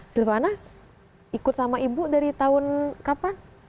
silvana ikut sama ibu dari tahun kapan